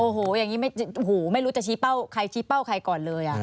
โอ้โหอย่างนี้ไม่รู้จะชี้เป้าใครชี้เป้าใครก่อนเลย